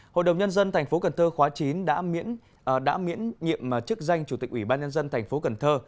hội đồng nhân dân tp cần thơ khóa chín đã miễn nhiệm chức danh chủ tịch ủy ban nhân dân thành phố cần thơ